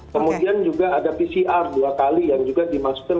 kemudian juga ada pcr dua kali yang juga dimasukkan